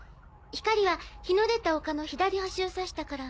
光は日の出た丘の左端を指したから。